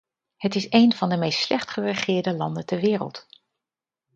Het is één van de meest slecht geregeerde landen ter wereld.